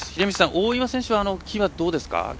大岩選手、木はどうですか？